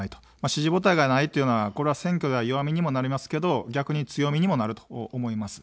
支持母体がないというのは選挙では弱みにもなりますけど逆に強みにもなると思います。